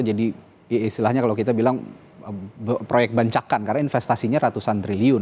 jadi istilahnya kalau kita bilang proyek bancakan karena investasinya ratusan triliun